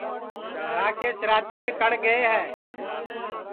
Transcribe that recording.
گھرا کے سِراتئے کڑ گئے ہے